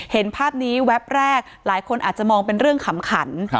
เห็นภาพนี้แวบแรกหลายคนอาจจะมองเป็นเรื่องขำขัน